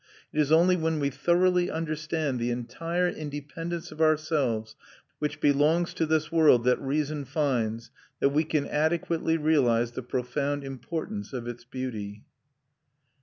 It is only when we thoroughly understand the entire independence of ourselves, which belongs to this world that reason finds, that we can adequately realise the profound importance of its beauty."